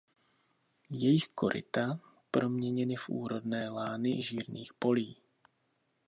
jejich koryta proměněny v úrodné lány žírných polí.